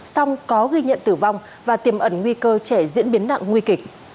song có ghi nhận tử vong và tiềm ẩn nguy cơ trẻ diễn biến nặng nguy kịch